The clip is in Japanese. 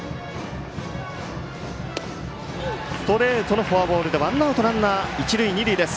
ストレートのフォアボールでワンアウト、ランナー一塁二塁です。